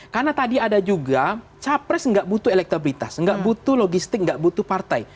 karena tadi ada juga capres nggak butuh elektabilitas nggak butuh logistik nggak butuh partai